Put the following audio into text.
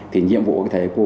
thì nhiệm vụ của thầy cô